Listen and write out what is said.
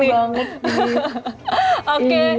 iya rindu banget